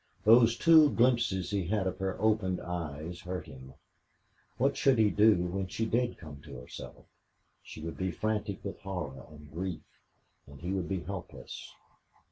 Those two glimpses he had of her opened eyes hurt him. What should he do when she did come to herself? She would be frantic with horror and grief and he would be helpless.